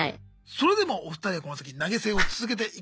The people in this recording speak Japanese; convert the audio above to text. それでもお二人はこの先投げ銭を続けていかれますか。